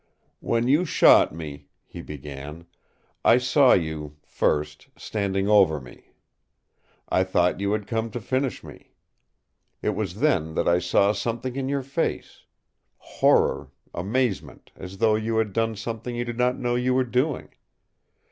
"When you shot me," he began, "I saw you, first, standing over me. I thought you had come to finish me. It was then that I saw something in your face horror, amazement, as though you had done something you did not know you were doing.